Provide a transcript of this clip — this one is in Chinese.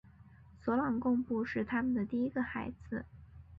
索朗贡布是他们的第一个孩子。